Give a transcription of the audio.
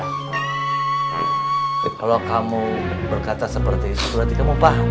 kalau kamu berkata seperti itu berarti kamu paham